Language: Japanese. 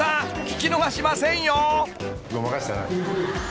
聞き逃しませんよ］